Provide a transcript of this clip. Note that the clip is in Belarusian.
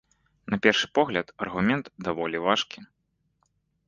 На першы погляд, аргумент даволі важкі.